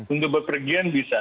untuk berpergian bisa